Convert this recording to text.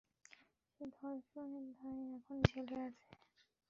সে ধর্ষণের দায়ে এখন জেলে আছে।